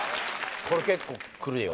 これ結構くるよ